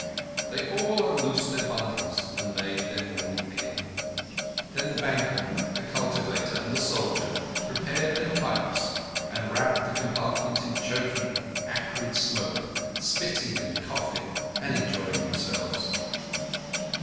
They all unloosed their bundles and made their morning meal. Then the banker, the cultivator, and the soldier prepared their pipes and wrapped the compartment in choking, acrid smoke, spitting and coughing and enjoying themselves.